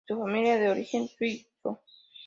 Su familia era de origen suizo.